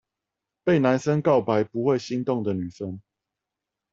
被男生告白不會心動的女生